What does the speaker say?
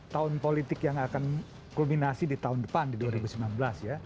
tahun politik yang akan kulminasi di tahun depan di dua ribu sembilan belas ya